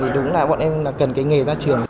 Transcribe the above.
đó là bọn em cần cái nghề ra trường